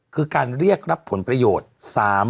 คือการเรียกรับผลประโยชน์